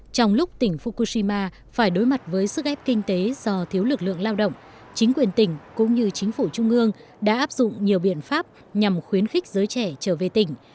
trong lúc tỉnh fukushima phải đối mặt với sức ép kinh tế do thiếu lực lượng lao động chính quyền tỉnh cũng như chính phủ trung ương đã áp dụng nhiều biện pháp nhằm khuyến khích giới trẻ trở về tỉnh